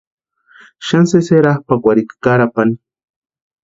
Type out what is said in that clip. Xani sési erapʼakwarhika Carapani.